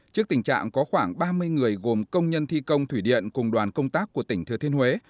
trước tình trạng có khoảng ba mươi người gồm công nhân thi công thủy điện cùng đoàn công tác của tỉnh thừa thiên huế